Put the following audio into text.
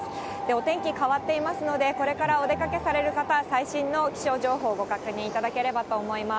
お天気変わっていますので、これからお出かけされる方、最新の気象情報をご確認いただければと思います。